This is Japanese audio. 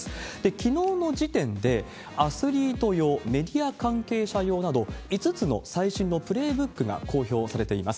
きのうの時点で、アスリート用、メディア関係者用など、５つの最新のプレーブックが公表されています。